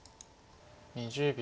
２０秒。